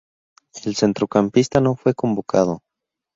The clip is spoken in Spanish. El centrocampista no fue convocado.